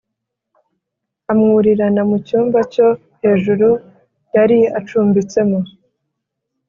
amwurirana mu cyumba cyo hejuru yari acumbitsemo